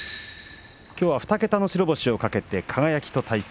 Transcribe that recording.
きょう、２桁の白星を懸けて輝と対戦。